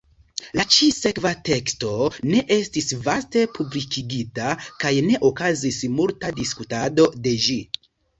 La ĉi-sekva teksto ne estis vaste publikigita kaj ne okazis multa diskutado de ĝi.